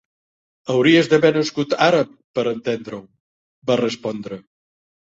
"Hauries d'haver nascut àrab per entendre-ho", va respondre.